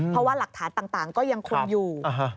เพราะว่าหลักฐานต่างก็ยังคงอยู่